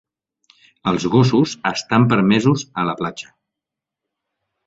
Els gossos estan permesos a la platja.